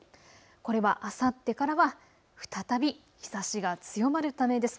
これはあさってからは再び日ざしが強まるためです。